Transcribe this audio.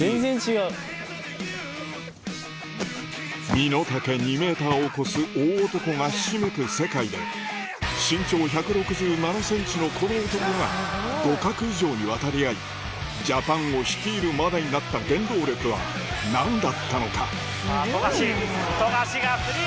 身の丈２ｍを超す大男がひしめく世界で身長１６７ｃｍのこの男が互角以上に渡り合いジャパンを率いるまでになった原動力は何だったのかさぁ富樫富樫がスリー。